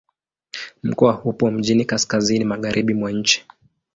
Mkoa upo mjini kaskazini-magharibi mwa nchi.